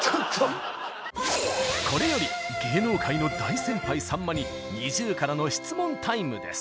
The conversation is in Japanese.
これより芸能界の大先輩さんまにＮｉｚｉＵからの質問タイムです。